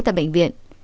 tại bệnh viện